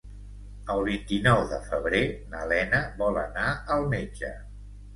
El vint-i-nou de febrer na Lena vol anar al metge.